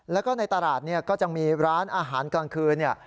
แล้วก็ในตลาดก็จะมีร้านอาหารกลางคืน